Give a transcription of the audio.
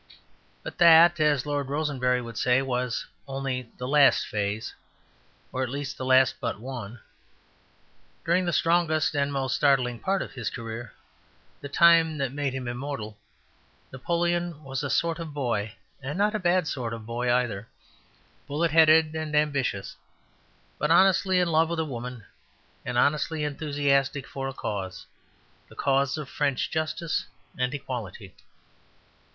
But that, as Lord Rosebery would say, was only "The Last Phase"; or at least the last but one. During the strongest and most startling part of his career, the time that made him immortal, Napoleon was a sort of boy, and not a bad sort of boy either, bullet headed and ambitious, but honestly in love with a woman, and honestly enthusiastic for a cause, the cause of French justice and equality.